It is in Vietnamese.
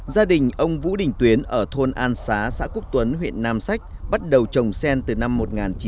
gia đình ông vũ đình tuyến ở thôn an xá xã quốc tuấn huyện nam sách bắt đầu trồng sen từ năm một nghìn chín trăm chín mươi